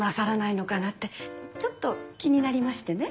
ちょっと気になりましてね。